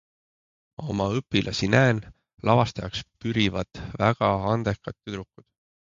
Ma oma õpilasi näen, lavastajaks pürivad väga andekad tüdrukud.